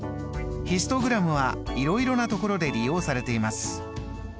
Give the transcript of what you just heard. ヒストグラムはいろいろなところで利用されています。